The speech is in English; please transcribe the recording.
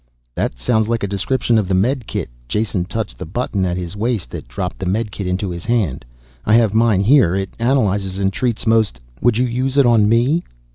"That sounds like a description of the medikit." Jason touched the button at his waist that dropped the medikit into his hand. "I have mine here. It analyzes and treats most ..." "Would you use it on me?"